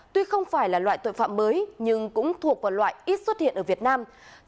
tuy không phải là loại tội phạm mới nhưng cũng thuộc vào loại ít xuất hiện ở việt nam